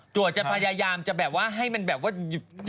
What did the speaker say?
ตรวจจะพยายามจะแบบว่าให้มันแบบว่า